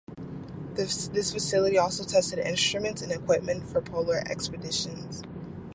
This facility also tested instruments and equipment for polar expeditions.